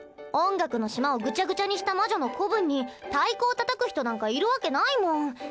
音楽の島をぐちゃぐちゃにした魔女の子分に太鼓をたたく人なんかいるわけないもん。